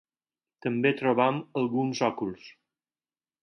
També trobem alguns òculs.